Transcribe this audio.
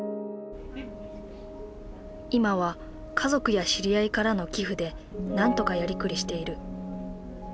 今は家族や知り合いからの寄付でなんとかやりくりしている。